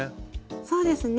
そうですね。